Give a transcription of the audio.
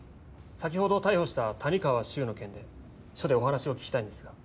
先ほど逮捕した谷川修の件で署でお話を聞きたいんですが。